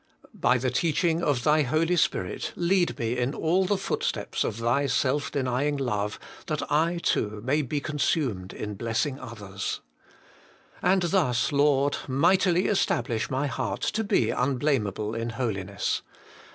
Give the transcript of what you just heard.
By the teaching of Thy Holy Spirit lead me in all the footsteps of Thy self denying love, that I too may be consumed in blessing others. And thus, Lord ! mightily establish my heart to be unblameable in holiness.